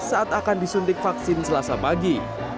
saat akan disuntik vaksin selasa pagi